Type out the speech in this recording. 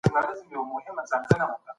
تاسي بايد خپل کالي په صابون ومینځئ.